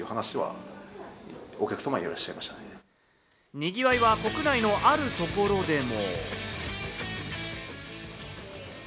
賑わいは国内のあるところでも。